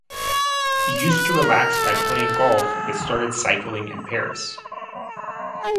He used to relax by playing golf but started cycling in Paris.